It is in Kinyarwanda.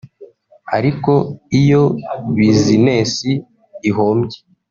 ariko iyo bizinesi ihombye